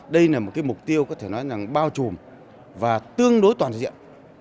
đây là một cái mục tiêu có thể nói là bao trùm và tương đối toàn diện